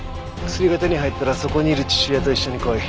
薬が手に入ったらそこにいる父親と一緒に来い。